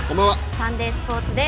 サンデースポーツです。